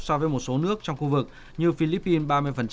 so với một số nước trong khu vực như philippines ba mươi